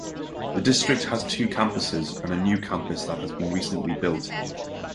The district has two campuses and a new campus that has been recently built.